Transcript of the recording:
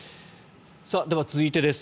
では、続いてです。